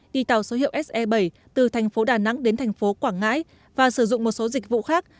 đi tàu số hiệu se bảy từ thành phố đà nẵng đến thành phố quảng ngãi và sử dụng một số dịch vụ khác